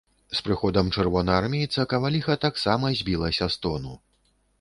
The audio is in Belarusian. З прыходам чырвонаармейца каваліха таксама збілася з тону.